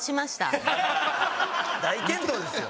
大健闘ですよ。